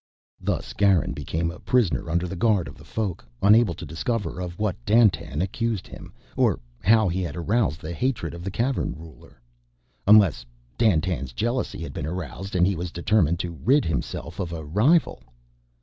Thus Garin became a prisoner under the guard of the Folk, unable to discover of what Dandtan accused him, or how he had aroused the hatred of the Cavern ruler. Unless Dandtan's jealousy had been aroused and he was determined to rid himself of a rival.